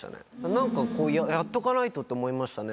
何かやっとかないとと思いましたね。